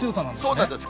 そうなんです。